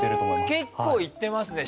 結構いってますね。